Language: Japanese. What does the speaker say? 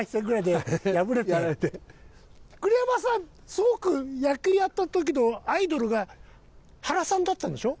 すごく野球やってた時のアイドルが原さんだったんでしょ？